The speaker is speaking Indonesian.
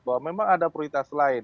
bahwa memang ada prioritas lain